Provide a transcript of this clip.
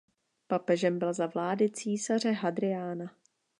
Papežem byl za vlády císaře Hadriána.